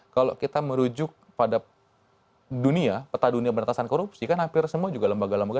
kalau kita merujuk pada dunia peta dunia beratasan korupsi kan hampir semua juga lembaga lembaga